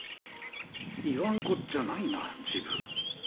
言わんこっちゃないな治部。